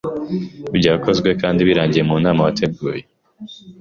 Byakozwe kandi birangiye munama wateguye,